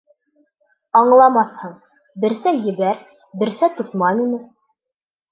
— Аңламаҫһың, берсә «ебәр», берсә «тотма мине».